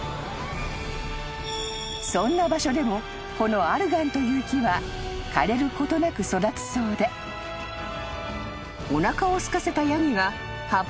［そんな場所でもこのアルガンという木は枯れることなく育つそうでおなかをすかせたヤギが］